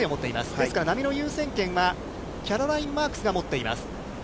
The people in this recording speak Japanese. ですから、波の優先権はキャロライン・マークスが持っています。